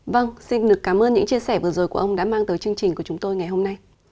vâng xin được cảm ơn những chia sẻ vừa rồi của ông đã mang tới chương trình của chúng tôi ngày hôm nay